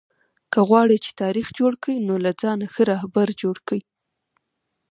که غواړى، چي تاریخ جوړ کئ؛ نو له ځانه ښه راهبر جوړ کئ!